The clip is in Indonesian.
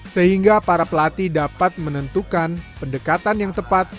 sehingga para pelatih dapat menentukan pendekatan yang tepat